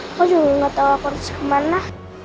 aku juga gak tau aku harus kemana